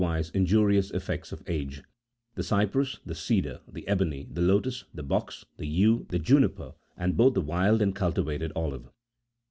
423 wise injurious effects of age the cypress, the cedai the ebon y the lotus, the box, the yew, the juniper, and both the wild and cultivated olive.